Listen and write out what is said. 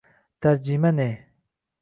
Tarjima ne?